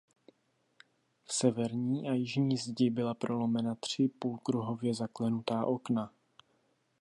V severní a jižní zdi byla prolomena tři půlkruhově zaklenutá okna.